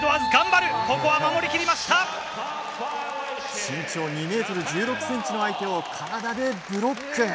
身長２ｍ１６ｃｍの相手を体でブロック！